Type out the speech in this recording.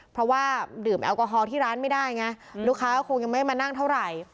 เพราะว่าดื่มแอลกอฮอลที่ร้านไม่ได้ไงลูกค้าก็คงยังไม่มานั่งเท่าไหร่